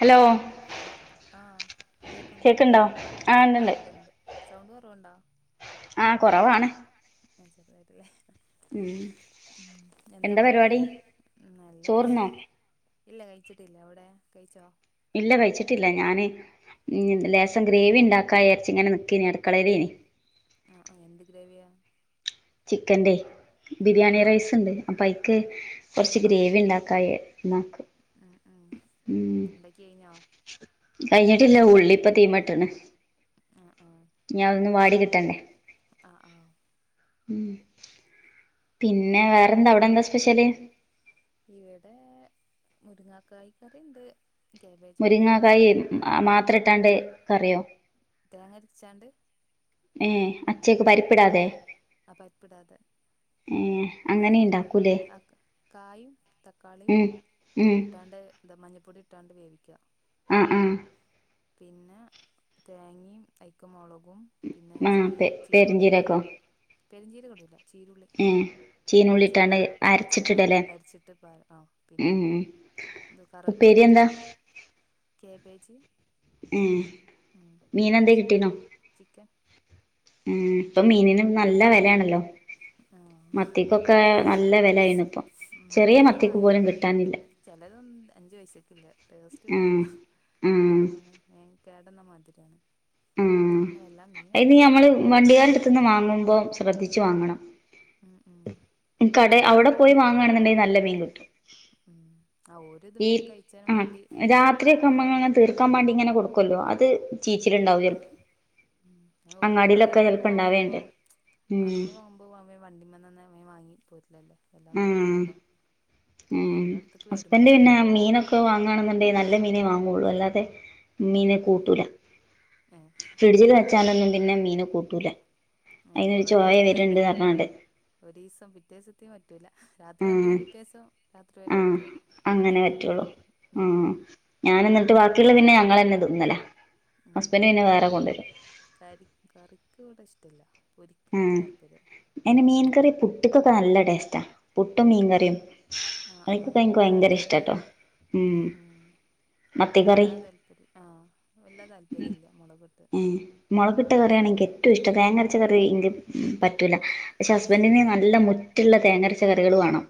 Hello ആഹ് കേക്കുണ്ടോ കേക്ക്ണ്ടോ ആ ആഹ് ഇണ്ട്ണ്ട് ഉണ്ട്ണ്ട് സൗണ്ട് കുറവുണ്ടോ ആഹ് കുറവാണ് ആഹ് ചെറുതായിട്ടല്ലേ ഉം ഉം എന്താ പാട് ഉം നല്ലേ ചോറ്ന്നോ ഇല്ല കയ്ച്ചിട്ടില്ല അവടെ കഴിച്ചോ ഇല്ല കയ്ച്ചിട്ടില്ല ഞാന് ഉം ലേശം ഗ്രേവി ഇണ്ടാക്കാ ചാരിച്ച് ഇങ്ങനെ നിക്കാന് അടുക്കളയിൽ ആഹ് ആഹ് എന്ത് ഗ്രേവിയാ ചിക്കന്റെ ആ ബിരിയാണി ആ റൈസ് ണ്ട് അപ്പൊ അയിക്ക് ആ കൊറച്ച് ആ ഗ്രേവി കൂട് ഉണ്ടാക്കാ ചാരിക്ന് ഉം ഉം ണ്ടാക്കി കഴിഞ്ഞോ കഴിഞ്ഞിട്ടില്ല ഉള്ളി ഇപ്പ തീമട്ടണ് ആഹ് ആഹ് ഇനി അതൊന്ന് വാടി കിട്ടട്ടെ ആഹ് ആഹ് ഉം പിന്നെ വേറെന്താ അവിടെ എന്താ സ്പെഷ്യല് ഇവടെ മുരുങ്ങാക്കായ്ക്കറിണ്ട്. കാബേജ് ഉപ്പേരിയുണ്ട് മുരിങ്ങാക്കായി മാത്രം ഇട്ടാണ്ട് കറിയോ തേങ്ങരിച്ചാണ്ട് ഏഹ് ആ പരിപ്പിടാതെ ഏഹ് അങ്ങനെ മുരിങ്ങയും ഇണ്ടാക്കൂലേ ക കായും തക്കാളിയും ഉം ഉം ഇട്ടാണ്ട് എന്താ മഞ്ഞൾപ്പൊടി ഇട്ടാണ്ട് വേവിക്കുക ഉം ഉം പിന്നെ തേങ്ങയുംഅയ്യക്മുളകും പിന്നെ ചീ ആഹ് പെ ചീരുള്ളി ഉണ്ട് പെരിഞ്ചീരകോ പെരിഞ്ചീരകം ഇടൂല ചീരുള്ളി ഏഹ് അയിന്റെ ചീനുള്ളിട്ടാണ്ട് ചെറിയ ആഹ് ആഹ് അരച്ചിട്ടിടല്ലേ അരിച്ചിട്ട് പ ആഹ് പിന്നെ ഉം ഇത് കർ ഉപ്പേരി എന്ത് എന്താ കേബേജ് ഏഹ് ഉം പിന്നെ മീനെന്തേ ചി കിട്ടീനോ ചിക്കൻ ഉം ഇപ്പൊ മീനിന് നല്ല വിലയാണല്ലോ ആ മത്തിക്കൊക്കെ നല്ല വിലയാണിപ്പം ചെറിയ മത്തി പോലും കിട്ടാനില്ല ചിലതും അഞ്ചു പൈസയ്ക്ക് ഇല്ല ടേസ്റ്റ് കിട്ടൂല ആഹ് ആഹ് വെറുതെ കേതല് മാതിരിയാണ് ഉം പിന്നെ വല്ലാ മീൻ ഇത് ഞമ്മള് എപ്പളേങ്കി വണ്ടികാരടുത്തു നിന്ന് വാങ്ങുമ്പോം ശ്രദ്ധിച്ചു വാങ്ങണം ഉം ഉം കട അവിടെ അഹ് പോയി വാങ്ങയാണെന്നുണ്ടെങ്കിൽ നല്ല മീൻ കിട്ടും ഉം ആഹ് ഒരു ഇത് വേഗം കഴിച്ചാനും വേണ്ടി [unintelligible] കൊടുക്കുമല്ലോ അത് ഉം ചീച്ചിലുണ്ടാവും ഉം ഓര് അങ്ങാടിയിലൊക്കെ ആണുങ്ങളൊക്കെ ചെലപ്പോ വാങ്ങുമ്പോ ഇണ്ടാവേണ്ട് ഉം ആണുങ്ങൾ വാങ്ങുമ്പ ഇപ്പോ വണ്ടിമേതന്നെ മീൻവാങ്ങി പോയിട്ടില്ലല്ലേ എല്ലാം ആഹ് നോക്കൂല്ലല്ലോ ഉം ഹസ്ബൻഡ് നമ്മള് പിന്നെ നോക്കന്നെ മീനൊക്കെ ഇക്ക വാങ്ങണെന്നുണ്ടെില് നല്ല മീനെ വാങ്ങുള്ളൂ അല്ലാതെ മീനെ ആഹ് കൂട്ടൂല ഏഹ് ഫ്രിഡ്ജിൽ വെച്ചാലൊന്നും പിന്നെ മീന് കൂട്ടൂല അതിന് ഒരു ചൊയ വരുണ്ട് പറഞ്ഞാണ്ട് ഒരു ദിവസം പിറ്റേ ദിവസത്തേക്ക് പറ്റൂല്ല രാത്രി ആഹ് കൊണ്ടവരും പിറ്റേ ദിവസം രാത്രി വരെ ആഹ് ഓക്കെ അങ്ങനെ പിന്നക്ക് പറ്റൂല്ല പറ്റുള്ളൂ ഉം ആഹ് ഉം ഞാൻ ഞാനെന്നിട്ട് എന്നിട്ട് പിന്നെ ബാക്കിയുള്ള മിന് ഞങ്ങളന്നെ ഞങ്ങൾ തന്നെ തിന്നലാ തിന്നല് ഉം ഹസ്ബൻഡ് പിന്നെ അപ്പം വേറെ കൊണ്ടുവരും ക കറിക്ക് ഇവിടെ ഇഷ്ടല്ല കാണാൻ താല്പര്യം എന്നെ മീൻകറി പുട്ടക്കൊക്കെ നല്ല ടേസ്റ്റാ പുട്ടും മീൻകറിയും ആഹ് ആഹ് അയിക്കൊക്കെ എനിക്ക് ഭയങ്കര ഒരാൾക്കൊക്കെ ഇഷ്ടാട്ടോ ഉം ഉം മത്തിക്കറി വല്ലാ താല്പര്യം ആഹ് വല്ല താല്പര്യം ഇല്ല മുളകിട്ട് ഉം മുളകിട്ട കറിയാണ് എനിക്ക് ഏറ്റവും ഇഷ്ടം തേങ്ങരച്ച കറി എനിക്ക് പറ്റ റ്റൂല പക്ഷെ ഏഹ് ഹസ്ബൻഡിന്‌ നല്ല മുറ്റുള്ള തേങ്ങരച്ച കറികൾ വേണം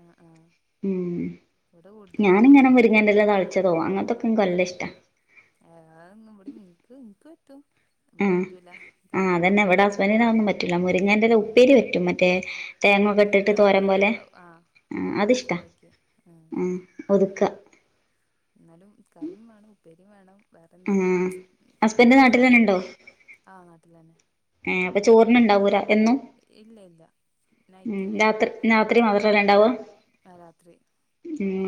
ആഹ് ആഹ് ഉം ഇവിടെ കൂടുതലെന്നെ ഞാനിങ്ങനെ ഒക്കെ മുരിങ്ങന്റെ ഇല താളിച്ചതോ അങ്ങനത്തൊക്ക എനിക്ക് നല്ല ഇഷ്ടാ ആഹ് ഇവടെയും എനിക്ക് എനിക്ക് പറ്റും ഇവിടെ ആഹ് പറ്റൂല ആഹ് അതന്നെ ഇവിടെ താളിപ്പതൊന്നു ഹസ്ബൻഡിന് അതൊന്നും പറ്റൂല്ല മുരിങ്ങന്റെല ഉപ്പേരി പറ്റും മറ്റേ തേങ്ങൊക്കെ ഇട്ടിട്ട് തോരൻ തേങ്ങക്കെ പോലെ ഇട്ടോണ്ട് ആഹ് [unintelligible] ഉം ഒതുക്കുക എന്നാലും കറിയു വേണം ഉപ്പേരിയും വേണം വേറെ എന്തെങ്കിലും ആഹ് ഹസ്ബൻഡ് ഇറച്ച നാട്ടിലെന്നെണ്ടോ ആഹ് നാട്ടില്തന്നെ ഏഹ് അപ്പൊ ചോറിനുണ്ടാവൂല എന്നും ഇല്ലില്ല ഉം നൈറ്റ് രാത്രി രാത്രി മാത്രമല്ല ഉണ്ടാവുക ആഹ് രാത്രി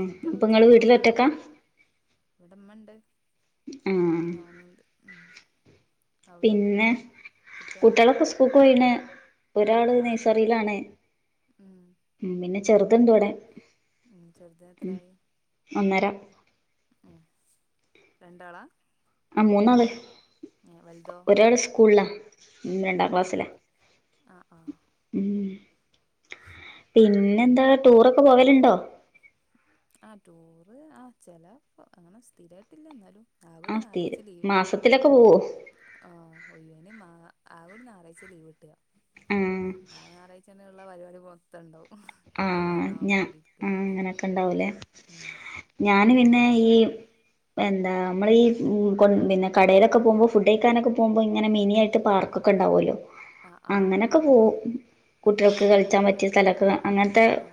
മറ്റോ ഇങ്ങള് ഉച്ചക്ക് വീട്ടില് പുറത്തുന്ന് ഒറ്റക്കാ ഇവിടെ ഉമ്മ ഉണ്ട് ആഹ് ഞാനുണ്ട് ഉം അവിടെ പിന്നെ കുട്ടിയ കുട്ടികളൊക്കെ സ്കൂൾക്ക് പോയിണ് ഒരാള് എത്ര ആളാ നഴ്സറിയിൽ ആണ് ഉം പിന്നെചെറുത്ണ്ട് ഇവടെ ഉം ചെർത് ന്എത്രായി ഒന്നര ഉം രണ്ടാളാ ആഹ് മൂന്നാള് ഏ വലുതോ ഒരാള് സ്കൂളാഉം ഉം ഉം രണ്ടാക്ലാസ്സില ആ ആ ഉം പിന്നെന്താ ടൂറൊക്കെ പോവലുണ്ടോ ആ ടൂറ് ആ ചെലപ്പോ അങ്ങനെ സ്ഥിരയിട്ടില്ല ന്നാലും ആകെ ര് ആഹ് സ്ഥിരം ഞറാഴ്ചേ ലീവ് മാസത്തിലൊക്കെ മാസത്തിലെക്കെ പോവോ ആഹ് ഒയ്യേ ന് മാ ആക്കെര്ഞായറാഴ്ച ലീവ് കിട്ടാ മ്മ് ആ ഞായറാഴ്ചന്നെള്ളപരിപാടി മൊത്തംണ്ടാവും ആഹ് ഞാ ആ അങ്ങനെക്കെ അത് ണ്ടാവൂല്ലേ ഉം എന്നാലും ഞാന്പിന്നെഈ പോവലൊക്കെ ഉണ്ട് എന്താമ്മള് ഈ കോ പിന്നെ കടേലൊക്കെ പോമ്പോഫുഡൈക്കാനൊക്കെ പോമ്പോ ഇങ്ങനെ മിനി ആയിട്ട് പാർക്കൊക്കെ ഇണ്ടാവുല്ലോ ആ ആ അങ്ങനൊക്കെ പോവും കുട്ട്യോൾക്ക് അടുത്ത് കളിച്ചാപറ്റിയ സ്ഥലൊക്കെ ക ങ്ങൻത്തെ ആ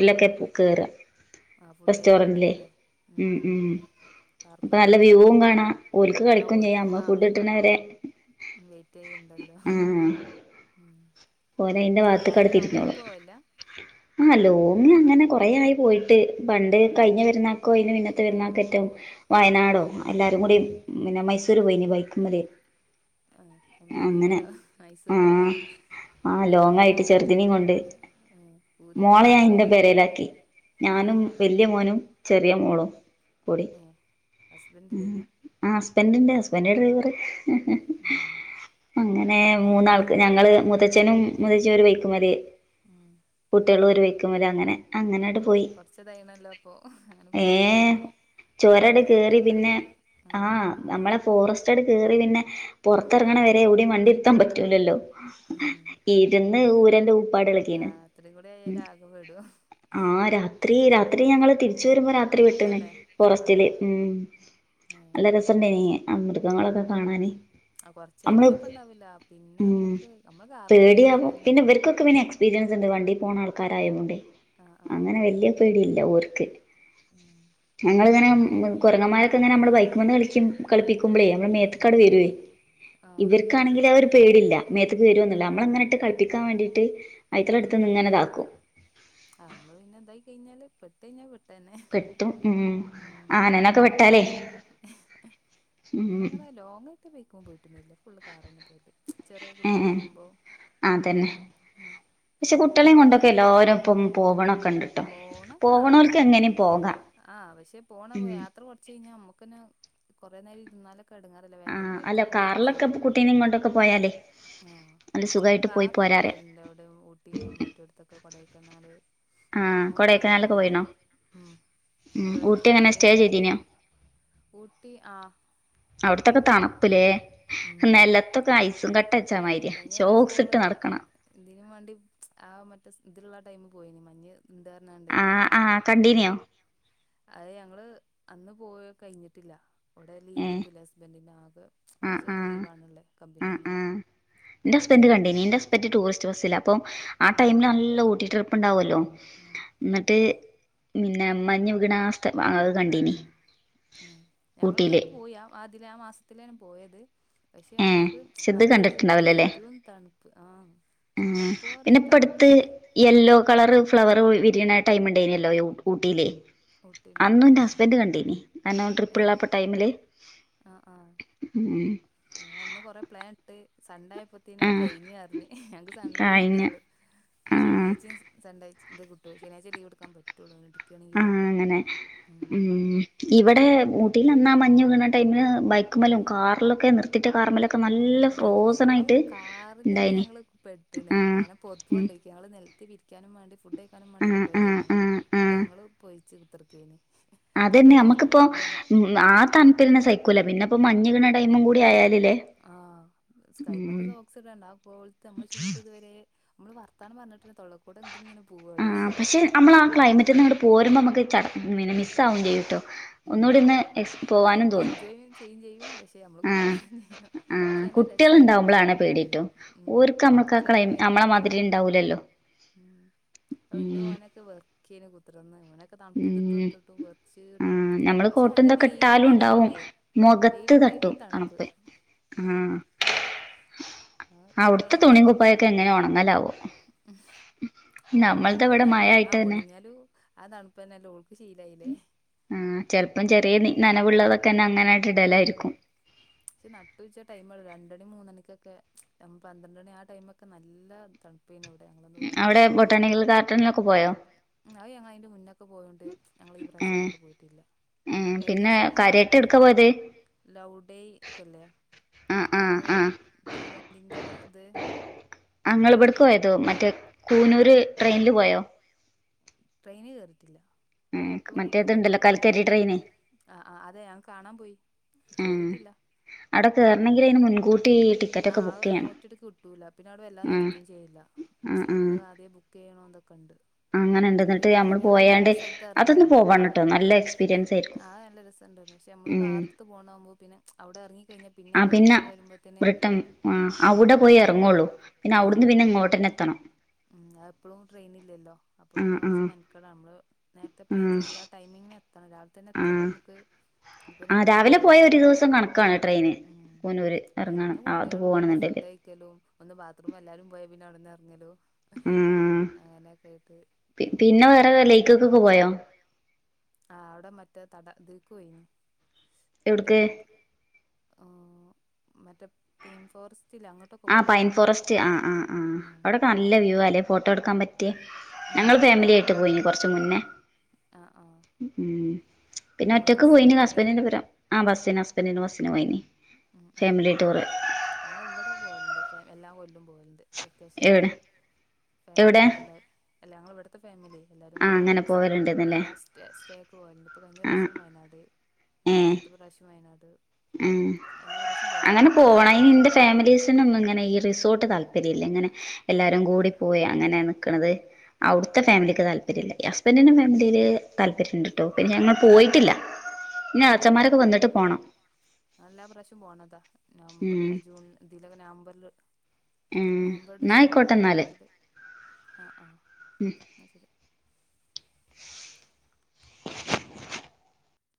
ആ ആ കേറ ആ ഫുഡ് റെസ്റ്റോറന്റ്ല് കഴിക്കണോടത്തല്ലേ ഉം ഉം പാർക്കുകള് അപ്പനല്ലവ്യൂവുംകാണാഓൽക്ക് കളിക്കും ചെമ്മക്ക് ഫുഡ് കിട്ടണ വെരെ വെയിറ്റ്യ്യ്ണ്ടല്ലോ ഉം അല്ലാതെ ലോങ്ങ് ട്രിപ്പ് പോവല്ല്ല ആഹ ലോങ് അങ്ങനെ കൊറേആയി പോയിട്ട്പണ്ട് കഴിഞ്ഞപെരുന്നാക്കോ അയിന്നെ മുന്ന ത്തെ പെരുന്നാക്കെറ്റവും വയനാടോ എല്ലാരുംകൂടി പിന്നെ മൈസൂര് പോയിന് ബൈക്കുംമല് ആഹ് ബേയ്ക്കുമലോമൈസൂരിലോ ആഹ് ആഹ് ലോങ്ങായിട്ട് ചെറുതിനിം കൊണ്ട് ഏ പൂതി മോളെ ഞൻ ഇന്റെ കിട്ടുണ്ടാവല്ലോ പേരേലാക്കി ഏ ഞാനും വെല്ല്യമോനുംചെറ്യേമോളും കൂടി ഹസ്ബെൻഡ്ലേനു ആ ഹസ്ബന്റ് ണ്ട്‌ ഹസ്ബന്റ് ഡ്രൈവറ് ഉം അങ്ങനെ അങ്ങനെ മൂന്നാൾക്ക് ഞങ്ങള് മുതച്ഛനും മുതച്ചിംഒര് ബൈക്ക്മേല് ഉം കുട്ടിൾ ഒരു വെക്കുമല് അങ്ങനെ അങ്ങനട് പോയി കൊറച്ചതായിണല്ലോ അപ്പൊ അങ്ങനെ ഏ പോവാണെങ്കില് ചോരട് പൂതി കെട്ടുണ്ട് കേറിപിന്നെ ആഹ് നമ്മളെ ഫോറസ്റ്റ് അട് കേറി പിന്നെ ഉം പൊറത്തറങ്ങ്ണവരെ ഒടിം വണ്ടി ത്താൻ പറ്റൂലല്ലോ ഉം ഇര്ന്ന് ഊരന്റെ ഉൂപ്പാട്ളക്കീന് രാത്രി കൂടെ മ് ആയാല് ആകെ പെടും ആഹ് രാത്രി രാത്രി ഞങ്ങള് തിരി ച്ചരുമ്പോ രാത്രി പെട്ട്ണ് റിട്ടേൺല്ലേ ഫോറസ്റ്റില് ഉം ഉം നല്ലരസ ണ്ടായിനി ആ മൃഗങ്ങളൊക്കെ കാണാന് ആ കൊറചേരം നമ്മള് കൊയപ്പണ്ടാവുല്ല പിന്നെമ്മുക്ക് പേടിആവും പിന്നെ ഇവർക്കൊക്കെ പിന്നെ എക്സ്പീരിയൻസ്ണ്ട് വണ്ടി പോണ ആൾക്കാരായതോണ്ട് ആഹ് ആഹ് അങ്ങനെ വെല്യ പേടിയില്ലഓർക്ക് ഉം ഞങ്ങല്ങ്ങനെ കുരങ്ങന്മാരൊക്കെ ങ്ങനെ മ്മള് ബൈക്കുമന്ന് കളിക്കു കളിപ്പിക്കുമ്പളേ നമ്മളെ ഉം മേത്ക്കട് വെരും ആഹ് ഇവർക്കാണെങ്കിൽ അഹ് രു പേടില്ല മേത്തക്ക് വാരോന്ള്ള നമ്മള ങ്ങന്ട്ട് കളിപ്പിക്കാൻ വേണ്ടിട്ട്അയ്ടളഅട്ത്ത്ന്ഇങ്ങനെ താക്കും ആ നമ്മള് പിന്നെന്തായികെയ്‌ഞ്ഞാല് പെട്ട്ഴിഞ്ഞാപെ പെട്ടുംഉംആനനൊക്കെ പെട്ടാലേയ് ങ്ങൾ അങ്ങനെ ലോങ്ങായിട്ട് ബൈക്കുമെ പോയിട്ടന്നില്ല ഫുള് കാറെന്നെ പോവല് ചെറ്യേ കുട്യോക്കെ ആവുമ്പോ ആതന്നെ ഉം പക്ഷെ പിന്നെ കുട്ടളീംകൊണ്ടൊക്കെ എല്ലാരും ഇപ്പം പോവണൊക്കെ ണ്ട്ട്ടോ പോവണോൽക്ക് എങ്ങനിം പോകാ ആ് പക്ഷെ പോണ യാത്ര കൊർ ചെയ്ഞ്ഞമ്മുക്കെന്നെ കുറെ നേരം ഇരുന്നാലുംഒക്കെ എടുങ്ങാറല്ലേ വേദനയും ആഹ് അല്ല വര്ത്തൊക്കെ വരും കാറിലൊക്കെ ചെയ്യും കുട്ടീനേം കൊണ്ടൊക്കെ പോയാലേ ആഹ നല്ല നമ്മൾ സുഖായിട്ട് പോയി കാറിൽ പോരാറിയാ പോവല്ലോ അവിടെ ഊട്ടിയും മറ്റുംടത്തൊക്കെ കൊടെക്കന്നാല് ആഹ് അങ്ങോട്ടൊക്കെ കൊടൈക്കനാലൊക്കെ പോവ പോയിണോ ഉമ് ഉം, ഇവിടെത്തെ ഊട്ടി എങ്ങനെ ഫാമിലി സ്റ്റേ ആയിട്ട് ചെയ്തീനോ ഊട്ടി ആഹ അവിട്ത്തൊക്കെ തണ്പ്പ്‌ ല്ലേ നലത്തൊക്കെ ഐസും കട്ടവെച്ച മായിരിയ ശോക്സ് ഇട്ട് നടക്കണം ഇതിന് മാണ്ടി ആഹ് മറ്റേ ഇതില്ള്ള ടൈം പോയിനി മഞ്ഞ് ണ്ട് പർഞ്ഞാണ്ട് ആ ആ ആഹ് കണ്ടീനിയോ അഹ് ഞങ്ങള് അന്ന് പോയ കഴിഞ്ഞിട്ടില്ല അവ്ടെ ഏ ലീവ് കട്ടൂലേ ഹസ്ബൻഡിന്റെ ആകെ ആ മാസം ആ ഒര് ലീവ് ആണ് ഇള്ള് കമ്പനീന്ന് ഇന്റെ ഹസ്പന്റ് അതറ്റെ കണ്ടി നീ ഇന്റെ ഹസബെറ്റ് ടൂറിസ്റ്റ് ബസ്സില്ല അപ്പൊ ആഹ് ഉം ടൈമില് നല്ല ഊട്ടിട്രി ഉണ്ടാവല്ലോ ഉം ന്ന്ട്ട് പിന്നെ മഞ്ഞ് [unintelligible] അഹ് കണ്ടിനി ഊട്ടിയില് ആതില് ആഹ് മാസത്തിലാണ് പോയത് പക്ഷെ ഏ നമ്മുക്ക് പക്ഷെ ഇത് മഞ്ഞ്കണ്ടില്ലെ കണ്ടിട്ടുണ്ടാവില്ലല്ലേ പെരും തണുപ്പ് ആഹ് ആ തണുപ്പോ പിന്നെ ർഞ്ഞാ ഇപ്പടുത്ത് തണുപ്പ് യെല്ലോ കളറ് ഫ്ലവർ വിരിയ്ണ ടൈമ് ഉണ്ടായിനില്ലോ ഊട്ടിയില് ഊട്ടിൽ അന്നും ആ ഇന്റെ ഹസ്ബൻഡ് കണ്ടീനി അനോ ഏ ട്രിപ്പ്‌ള്ളപ്പോ ടൈമില് ആഹ് ഉം ആഹ് അന്ന് കൊറെ പ്ലാൻ ഇട്ട് സണ്ട ആയപ്പോത്തിന് അത് ആഹ് കഴിഞ് പറഞ്ഞ് ഞങ്ങക്ക് സണ്ടേ ഒഴിവ് കഴിഞ്ഞ കിട്ടൊള്ളു ആഹ് ശനിയാച്ചിം സണ്ടേ ഇത് കിട്ട ശനിയാഴ്ച ലീവ് ഇട്കാം പ- പറ്റള്ളൂ ഇട്ക്കാണെങ്കി ആഹ് അങ്ങനെ ഉം ഇവിടെ ഊട്ടില് അന്നാ മഞ്ഞ് വീണ ടൈമ് ബൈക്കുമലും കാറ്ലൊ ഹോ ഔ ആയിട്ട് കാറില് ല്ലന്നെ ഇണ്ടായിനി ഞങ്ങള് പെട്ട്ണ് ആഹ് കാർണം ഉം പൊതപ്പ്കൊണ്ടോ ക്യായാൾ നെല്ത്ത് വിരിക്യാനും മാണ്ടി ഫുഡ് കഴിക്കാനും മാണ്ടി ആഹ് കൊണ്ടോ ആഹ് തേനി ആഹ് ങ്ങട്ട് ആഹ് ഞങ്ങള് പോയ്ച്ച് കുത്തർക്കേനീ അതന്നെ നമുക്ക്പ്പോ ഉം ആഹ് തണ്പന്നേ സൈക്കൂല പിന്നെപ്പോ മഞ്ഞ് വിക്ണ ടൈമും കൂടി ആയാലില്ലേ ആഹ് കൈമക്കെ ഉം സോക്സിഡണ്ട ആഹ് കോലത്ത് നമ്മള് ചുണ്ട് ഇതുവരെ നമ്മള് വർത്താനം പറഞ്ഞിട്ട് തന്നെ തൊള്ളക്കൂടെ ഇത് ഇങ്ങന ആഹ് പക്ഷെ നമ്മളാ ആഹ് ക്ലൈമറ്റ്ന്ന് നിന്ന് ഇങ്ങോട്ട് പോരുമ്പോ നമുക്ക് ചട പിന്നെ മിസ് ആവും ചെയ്യുട്ടോ ഒന്നുകൂടി ഒന്ന് എ പോവാനും തോന്നും ചേഞ്ച് ചെയ്യും പക്ഷേ നമ്മ ആ കുറ്റം പറയും ചെയ്യും പക്ഷെ ആ നല്ല കുട്ടികൾ രസേനിട്ടൊ ഉണ്ടാവുമ്പോളാണ് പേടിട്ടോ ഉം ഓർക്ക് നമ്മൾക്ക് ആ ചെറിയ ക്ലൈ പൈത നമ്മളെ മക്കള് മാതിരി ഉം ഉണ്ടാവൂലല്ലോ ഔ ഇന്റെ ഉം മോനൊക്കെ വെർക്കെനി കു ഇത്രന്ന് ഓനെയൊക്കെ തണുപ്പ് ഇതൊക്കെ ഉം ഇട്ടോടുത്തിട്ടും ആ വെർച്ചീട്ട് നമ്മള് പക്ഷെ കോട്ടും നല്ല ഇതൊക്കെ വെയില്ണ്ട് ഇട്ടാലും ആഹ് ഉണ്ടാവും ടൈമില് മുഖത്ത് വെയില്ണ്ട് തട്ടും തണുപ്പ് ഉം അത് അവുട്ത്തെ കഴിഞ്ഞ തുണിയും കുപ്പായൊക്കെ എങ്ങനെ ഒണങ്ങലാവോ ഓര രു മഴ തണുപ്പ് ആയിട്ട് തന്നെ ഒണങ്ങിയാലും ആഹ് തണുപ്പ് ന്നെല്ലെ ഓ ശീല ആയിലെ ആ ചെലപ്പം ചെറിയ നനവുള്ളതൊക്കെ തന്നെ അങ്ങനെയായിട്ട് ഉം ഇടലായിരിക്കും പക്ഷെ നട്ട് ഉച്ച ടൈമാത് രണ്ട്മണി മൂന്നമണിഒക്കൊ പന്ത്രണ്ട മണി ആഹ് ടൈമ ഒക്കെ നല്ല തണുപ്പേനി അവ്ടെ ഞങ്ങളന്ന് പോയന്ന് അവിടെ ബൊട്ടാണിക്കൽ ഗാർഡനിലൊക്കെ പോയോ അഹ് ഞങ്ങൾ അയിന്റെ മുന്നൊക്കെ പോയോണ്ട് ഞങ്ങള് ഈ ഏ പ്രാവശ്യം അങ്ങോട്ട് പോയിട്ടില്ല ഏ പിന്നെ ഏകദേശം ങ്ങളവിടെ കാര്യായിട്ട് പോയ എടുക്കാ പോയത് ലൗ ഡേ ഒക്കെല്ലേ ആ ആ ആഹ് ഒരു ആ തീവണ്ടിന്റെ ത്ത് ആഹ് നിങ്ങൾ ഇവട്ക്ക് പോയതോ മറ്റേ കൂനൂര് ട്രെയിനില് പോയോ ട്രെയിനി കേറിട്ടില്ല അതഹ് എപ്പളും കിട്ടൂലല്ലോ മറ്റേതുണ്ടല്ലോ കൽക്കരി ട്രെയിന് ആഹ് ആഹ് അതെ അഹ് കാണാ പോയി ഉം തില്ല ടിക്കറ്റ് ഒക്കെ ബുക്ക് ആഹ് ന്ന് ചെയ്യണം ഒറ്റടിക്ക് കിട്ടൂല പിന്നെ അവിടെ വെല്ലാ ആ നിർത്തും ചെയ്ല്ല.. ആ ആ നമ്മള് ആദ്യേ ബുക്ക്യ്യണോ. എന്തോക്കണ്ട്.. അങ്ങനെണ്ട്. ന്നിട്ട് നമ്മള് പോയാണ്ട് അതൊന്ന് പോകണട്ടോ നല്ല എക്സ്പീരിയൻസ് ഏര് ആഹ് നല്ല രസണ്ടാവുല്ല പഷേ അമ്മള് കാറ്ട്ത്ത് പോണവുമ്പോ പിന്നെ.. അവടെ എറങ്ങിക്കഴിഞ്ഞാ പിന്നെ നമ്മള് റിട്ടേൺ വരുമ്പോത്തിന്, ബ്രിട്ടൻ ആ ആഹ് അവിടെ പോയി ഹ ഇറങ്ങുള്ളൂ പിന്നെ അവുടുന്ന് പിന്നെ ഇങ്ങൊട്ടന്നെത്തണം. മ്മ്ഹ് എപ്പോളു ട്രെയിൻ ഇല്ലല്ലോ, അപ്പൊ ആ പിന്നെ ആ കൊറച്ച് മെനകെട നമ്മള് നേരത്തെ പ്ലൻ ചെയ്ത ആടൈം മ്മിങ്ങെത്തണം, രാവിലെ തന്നെ ആ എത്തിയാലേ ആ നമ്മക്ക് ഇനിപ്പോ ആ നൈറ്റ് രാവിലെ പോയ ഇതായാലോ. ഒരു ദിവസം കണക്കാണ് ട്രെയിന് മ്ഹ്, കൂനൂര് ഇറങ്ങണം പിന്നെ അത് കുട്ട്യോള്താവുമ്പോ പോകണെന്നുണ്ടെല് ഫുഡ്ഡയ് ക്കലും ഒന്ന് ബാത്റൂം എല്ലാരും പോയ പിന്നെ അവടന്ന് എറങ്ങലു ഉം അങ്ങനെകേട്ട് ഞങ്ങള് പിന്നെ കൊറെട് വേറെ ലേക്കൊക്കൊക്കെ പോയോ ആഹ് അവടെ മറ്റേ തട തീക്പോയിന്ന്. എവിട്ക്? ഹോ മറ്റേ പെയിൻ ഫോറസ്റ്റില്ലേ അങ്ങ ട്ട്ക്കൊ ആ പോയി, ആഹ് പൈൻ ഫോറസ്റ്റ് ആ ആ ഫോറസ്ററ് ആ ആഹ് അവിടൊക്കെ അവടെക്കേ വ്യൂ നല്ല അല്ലെ ഫോട്ടോ വ്യൂആല്ലേ എടുക്കാൻ പറ്റിയ ഫോട്ടോടുക്കാൻ പറ്റി ഞങ്ങൾ ആഹ് ഫാമിലി ഞങ്ങള് ആയിട്ട് പോയിന് ഫാമിലിയായിട്ട് പോയി കൊറച്ചു മുന്നേ. മ്മ്ഹ്, പിന്നെ ഒറ്റയ്ക്ക് പോയിന് പോയത് ഹസ്ബൻഡിന്റെ പെര ആ ബസ്സിന് ഹസ്ബൻഡനും ബസ്സിനും പോയിന് ആഹ് ആഹ് ഫാമിലി ടൂറ് ഞങ്ങള് ഇവിടെ പോവല് ണ്ട് എല്ലാ കൊല്ലോം പോവൽണ്ട്. വെക്കേഷല് എവിടെ എവിടെ ഫാമിലി എല്ലാ അല്ല ഞങ്ങള് ഇവിടുത്തെ ഫാമിലി എല്ലാരും ആ കൂടെ അങ്ങനെ പോവലുണ്ടന്നല്ലേ എല്ലാ സ്റ്റേ സ്റ്റേക്ക് പോവലുണ്ട് ഇപ്പൊ കഴിഞ്ഞ ആ പ്രാവശ്യം വയനാട് അയിന്റെ മുന്നത്തെ പ്രാവശ്യം വയനാട് ഉം എല്ലാ പ്രാവശ്യം അങ്ങനെ പോവലുണ്ട് പോവണം അയിന് ഇന്റെ ഫാമിലീസിനൊന്നും ഇങ്ങനെ ഈ റിസോർട്ട് താല്പര്യല്ല ഇങ്ങനെ ഉം എല്ലാരും കൂടി പോയി അങ്ങനെ നിക്ണത് അവിടുത്തെ ആഹ് ആഹ് ഫാമിലിക്ക് താല്പര്യല്ല, ഈ ഹസ്ബന്റിന്റെ ഫാമിലീല് താല്പര്യംണ്ട്ട്ടോ, പിന്നെ ഞങ്ങൾ ഉം പോയിട്ടില്ല ഇനി ഏഹ് ഞങ്ങള് എളച്ചന്മാരൊക്കെ വന്ന്ട്ട് പോണം. എല്ലാ പ്രാവശ്യം പോണതാ നവംബർ ഉം ജൂൺ ഇതിലൊക്കെ നവംബറില് ഉം നവംബർ ന്നാ ഡിസംബർ ആയിക്കോട്ടെ ആടുത്തിട്ട്, ആഹ് ആ. മ്മ്ഹ് [inaudible]